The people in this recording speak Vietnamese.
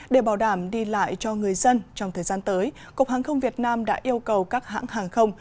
để bảo đảm đi lại cho người dân trong thời gian tới cục hàng không việt nam đã yêu cầu các hãng hàng không